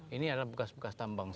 ini adalah bekas bekas tambang